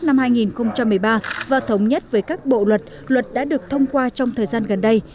năm hai nghìn một mươi ba và thống nhất với các bộ luật luật đã được thông qua trong thời gian gần đây